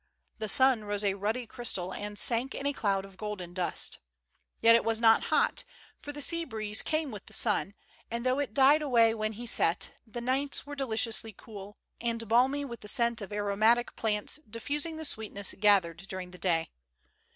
The sun rose a ruddy crystal and sank in a cloud of golden dust. Yet it was not hot, for the sea breeze came with the sun, and DISCOVERED. 127 though it died away when he set, the nights were deliciously cool, and balmy with the scent of aromatic plants diffusing the sweetness gathered during the day.